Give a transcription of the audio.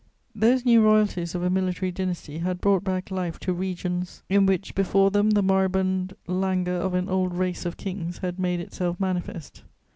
Those new royalties of a military dynasty had brought back life to regions in which before them the moribund languor of an old race of kings had made itself manifest.